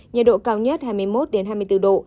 nhiệt độ cao nhất hai mươi một hai mươi bốn độ